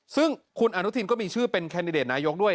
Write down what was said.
ซึ่งคุณอนุทินก็มีชื่อเป็นแคนดิเดตนายกด้วย